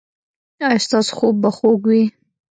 ایا ستاسو خوب به خوږ وي؟